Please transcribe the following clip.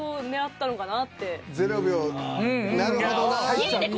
なるほどな。